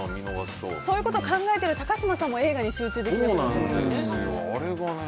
そういうことを考えてる高嶋さんも映画に集中できなくなっちゃいますよね。